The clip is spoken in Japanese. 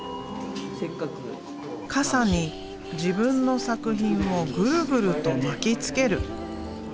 傘に自分の作品をグルグルと巻きつける。